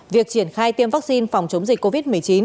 việc triển khai tiêm vaccine phòng chống dịch covid một mươi chín